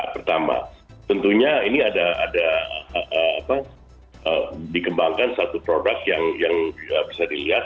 pertama tentunya ini ada dikembangkan satu produk yang bisa dilihat